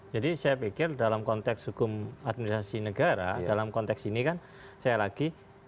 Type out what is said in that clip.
jadi saya pikir dalam konteks hukum administrasi negara dalam konteks ini kan saya lagi